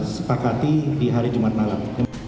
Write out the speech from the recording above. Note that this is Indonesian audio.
sepakati di hari jumat malam